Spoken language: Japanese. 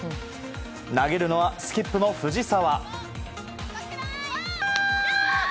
投げるのはスキップの藤澤。